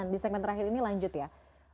di segmen terakhir ini lanjut ya